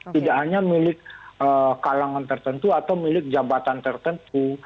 tidak hanya milik kalangan tertentu atau milik jabatan tertentu